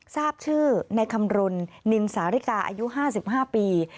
ทราบชื่อในคำรณนินสาริกาอายุ๕๕ปี